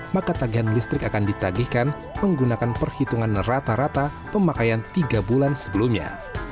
maka tagihan listrik akan ditagihkan menggunakan perhitungan rata rata pemakaian tiga bulan sebelumnya